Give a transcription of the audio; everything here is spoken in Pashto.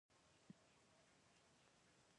مډرنې ودانۍ په کې لږ لیدل کېږي.